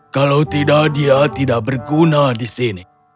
kalau tidak dia tidak berguna di sini